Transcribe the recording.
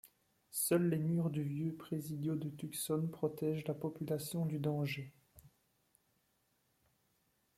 Seuls les murs du vieux presidio de Tucson protègent la population du danger.